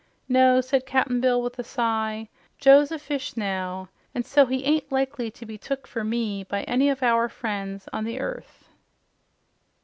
"No," said Cap'n Bill with a sigh. "Joe's a fish, now, an' so he ain't likely to be took for me by one of our friends on the earth."